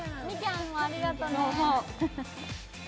みきゃん、ありがとね。